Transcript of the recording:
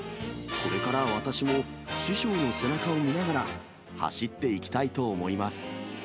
これから、私も師匠の背中を見ながら、走っていきたいと思います。